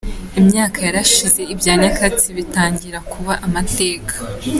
Imyaka yarashize ibya nyakatsi bitangira kuba amateka.